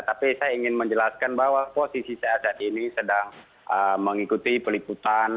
tapi saya ingin menjelaskan bahwa posisi saya saat ini sedang mengikuti peliputan